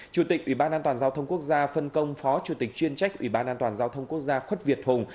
chủ tịch ủy ban an toàn giao thông quốc gia phân công phó chủ tịch chuyên trách ủy ban an toàn giao thông quốc gia khuất việt hùng